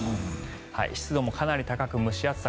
湿度もかなり高く、蒸し暑さ